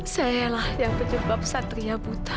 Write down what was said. sayalah yang penyebab satria buta